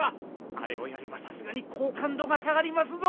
あれをやればさすがに好感度が下がりますぞ！